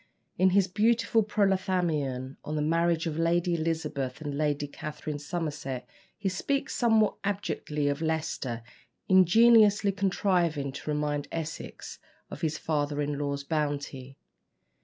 In his beautiful "Prothalamion" on the marriage of Lady Elizabeth and Lady Catherine Somerset, he speaks somewhat abjectly of Leicester, ingeniously contriving to remind Essex of his father in law's bounty.